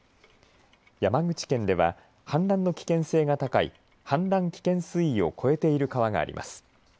山口県では氾濫の危険性が高い氾濫危険水位を超えている川があります。